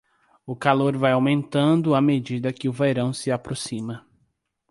O calor vai aumentando à medida que o verão se aproxima.